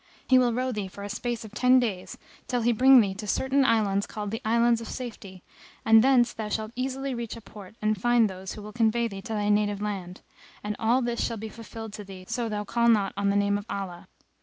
He will row thee for a space of ten days, till he bring thee to certain Islands called the Islands of Safety, and thence thou shalt easily reach a port and find those who will convey thee to thy native land; and all this shall be fulfilled to thee so thou call not on the name of Allah."